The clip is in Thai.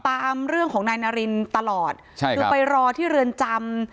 ตามเรื่องของนายนารินตลอดใช่ครับคือไปรอที่เรือนจำ